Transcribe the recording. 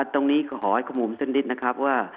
ตรงนี้ขอให้ความรู้สึกนิดนะครับว่า